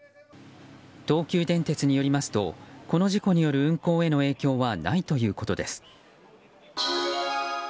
東急電鉄によりますとこの事故による運行への影響はないということです。